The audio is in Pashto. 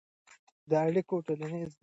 دا اړیکې د ټولنیز همغږي لپاره خورا مهمې دي.